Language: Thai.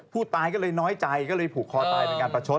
ผู้ตายก็เลยน้อยใจก็เลยผูกคอตายเป็นการประชด